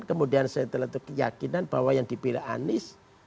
kemudian saya terletuk keyakinan bahwa yang dipilih anies